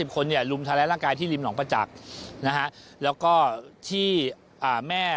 คนเนี่ยรุมทำร้ายร่างกายที่ริมหนองประจักษ์นะฮะแล้วก็ที่แม่